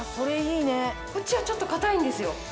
こっちはちょっと硬いんですよ。